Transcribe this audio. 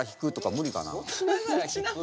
無理かな？